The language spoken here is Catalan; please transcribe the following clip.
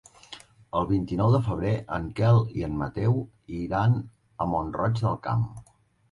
El vint-i-nou de febrer en Quel i en Mateu iran a Mont-roig del Camp.